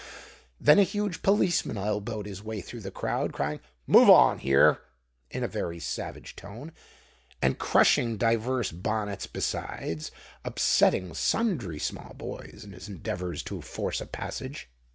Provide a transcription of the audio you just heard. Then a huge policeman elbowed his way through the crowd, crying "Move on here!" in a very savage tone, and crushing divers bonnets, besides upsetting sundry small boys in his endeavours to force a passage.